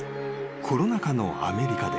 コロナ禍のアメリカで］